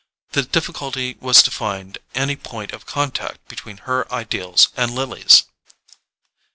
The difficulty was to find any point of contact between her ideals and Lily's.